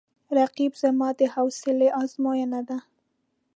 رقیب زما د حوصله آزموینه ده